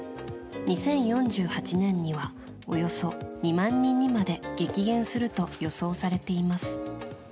２０４８年にはおよそ２万人にまで激減すると予想されています。